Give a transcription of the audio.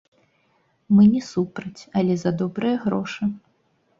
Мы не супраць, але за добрыя грошы.